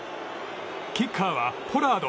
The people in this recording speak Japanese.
キッカーはポラード。